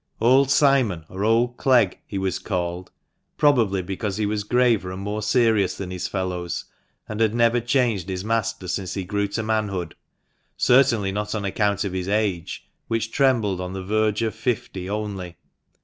13 Old Simon, or old Clegg, he was called, probably because he was graver and more serious than his fellows, and had never changed his master since he grew to manhood ; certainly not on account of his age, which trembled on the verge of fifty, only.